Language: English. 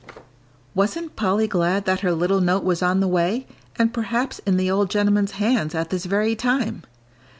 Wasn't Polly glad that her little note was on the way, and perhaps in the old gentleman's hands at this very time!